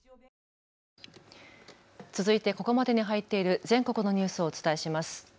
続いてここまでに入っている全国のニュースをお伝えします。